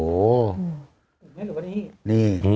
นี่หรือว่านี่